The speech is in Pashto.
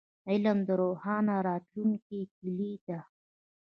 علم د روښانه راتلونکي کیلي ده.